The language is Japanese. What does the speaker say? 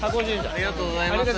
ありがとうございます。